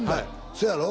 そうやろ？